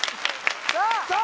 さあ